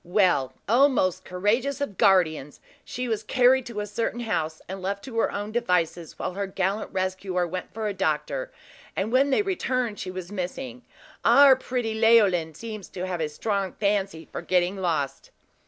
"Well, O most courageous of guardians! she was carried to a certain house, and left to her own devices, while her gallant rescuer went for a doctor; and when they returned she was missing. Our pretty Leoline seems to have a strong fancy for getting lost!"